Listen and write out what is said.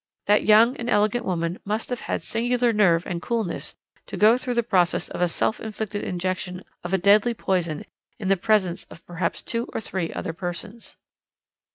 That young and elegant woman must have had singular nerve and coolness to go through the process of a self inflicted injection of a deadly poison in the presence of perhaps two or three other persons.